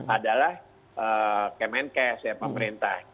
adalah kemenkes ya pemerintah